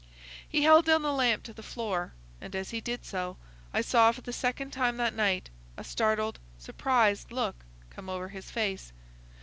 He held down the lamp to the floor, and as he did so I saw for the second time that night a startled, surprised look come over his face.